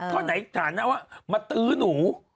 พอไหนแหละนะว่ามาตื้อหนู